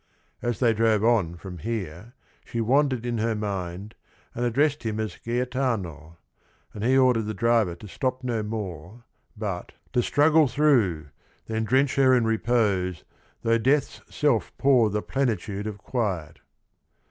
As they drove on from here she wandered in her mind and addressed him as Gaetano, — and he ordered the driver to stop no more but to "straggle through ! Then drench her in repose though death's self pour The plenitude of quiet."